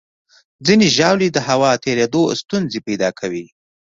ځینې ژاولې د هوا تېرېدو ستونزې پیدا کوي.